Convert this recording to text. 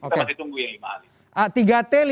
kita masih tunggu yang lima hari